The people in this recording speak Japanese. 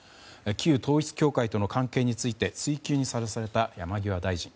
旧統一教会との関係について追及にさらされた山際大臣。